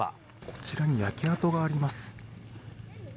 こちらに焼け跡があります。